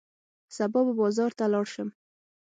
سبا به بازار ته لاړ شم.